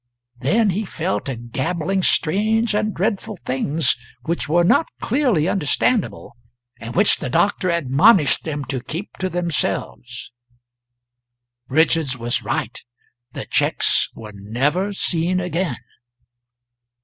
Then he fell to gabbling strange and dreadful things which were not clearly understandable, and which the doctor admonished them to keep to themselves. Richards was right; the cheques were never seen again.